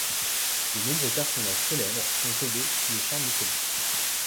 De nombreux personnages célèbres sont tombés sous le charme de ces lieux.